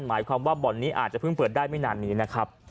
หมายความว่าบ่อนนี้อาจจะเพิ่งเปิดได้ไม่นานนี้นะครับ